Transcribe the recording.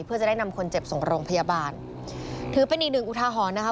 เพื่อจะได้นำคนเจ็บส่งโรงพยาบาลถือเป็นอีกหนึ่งอุทาหรณ์นะคะ